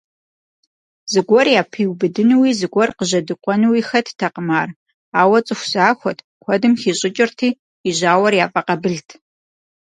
Зыгуэр япиубыдынуи, зыгуэр къыжьэдикъуэнуи хэттэкъым ар, ауэ цӀыху захуэт, куэдым хищӀыкӀырти, и жьауэр яфӀэкъабылт.